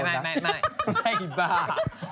ไม่ไม่บ้า